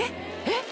えっ？